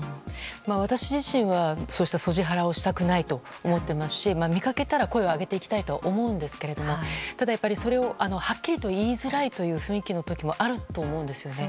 私自身はそうしたＳＯＧＩハラをしたくないと思っていますし見かけたら声を上げていきたいと思うんですけれどもただ、それをはっきりと言いづらいという雰囲気の時もあると思うんですよね。